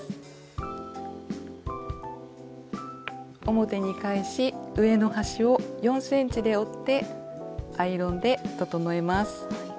表に返し上の端を４ｃｍで折ってアイロンで整えます。